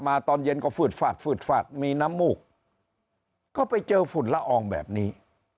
ตอนเย็นก็ฟืดฟาดฟืดฟาดมีน้ำมูกก็ไปเจอฝุ่นละอองแบบนี้